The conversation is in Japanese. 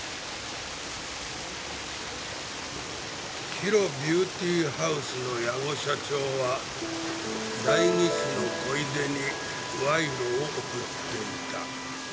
ＨＩＲＯビューティーハウスの矢後社長は代議士の小出に賄賂を贈っていた。